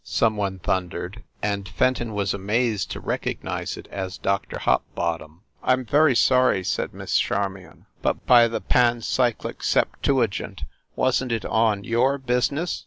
some one thundered, and Fenton was amazed to recognize it as Doctor Hopbottom. "I m very sorry," said Miss Charmion. "But, by the pancyclic septuagint, wasn t it on your business